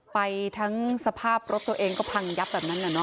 ไปทั้งสภาพรถตัวเองก็พังยับแบบนั้น